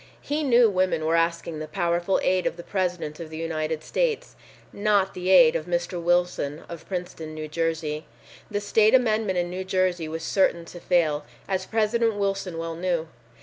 He knew women were asking the powerful aid of the President of the United States, not the aid of Mr. Wilson of Princeton, New Jersey. The state amendment in New Jersey was certain to fail, as President Wilson well knew.